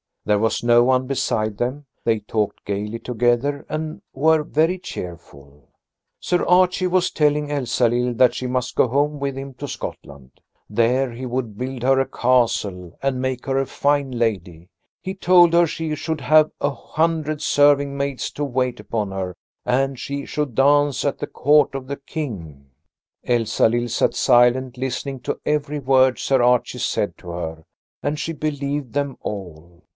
There was no one beside them; they talked gaily together and were very cheerful. Sir Archie was telling Elsalill that she must go home with him to Scotland. There he would build her a castle and make her a fine lady. He told her she should have a hundred serving maids to wait upon her, and she should dance at the court of the King. Elsalill sat silently listening to every word Sir Archie said to her, and she believed them all.